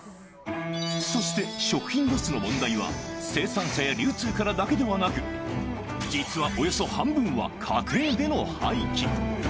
そして食品ロスの問題は、生産者や流通からだけではなく、実はおよそ半分は家庭での廃棄。